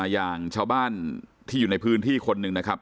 อย่างชาวบ้านที่อยู่ในพื้นที่คนหนึ่งนะครับ